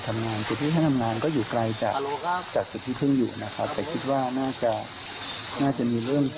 อันตรายจริงนะครับ